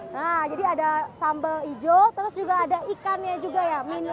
nah jadi ada sambal hijau terus juga ada ikannya juga ya